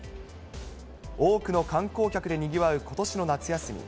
多くの観光客でにぎわうことしの夏休み。